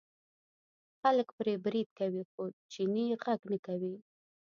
خلک پرې برید کوي خو چینی غږ نه کوي.